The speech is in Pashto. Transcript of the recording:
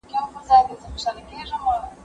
زه اجازه لرم چي لرګي راوړم!؟